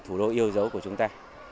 thủ đô yêu dấu của chúng ta